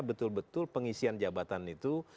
betul betul pengisian jabatan itu